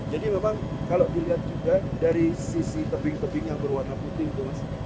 jadi memang kalau dilihat juga dari sisi tebing tebing yang berwarna putih itu mas